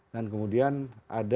dan kemudian ada